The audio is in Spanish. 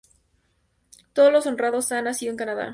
Todos los Honrados han nacido en Canadá.